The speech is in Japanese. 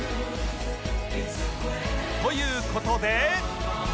という事で